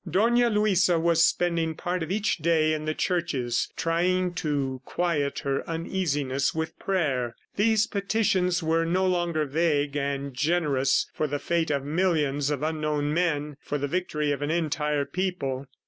Dona Luisa was spending a part of each day in the churches, trying to quiet her uneasiness with prayer. These petitions were no longer vague and generous for the fate of millions of unknown men, for the victory of an entire people.